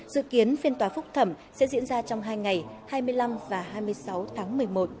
dự kiến phiên tòa phúc thẩm sẽ diễn ra trong hai ngày hai mươi năm và hai mươi sáu tháng một mươi một